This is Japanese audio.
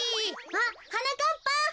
あっはなかっぱ！